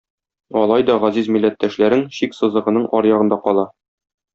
Алай да газиз милләттәшләрең чик сызыгының аръягында кала.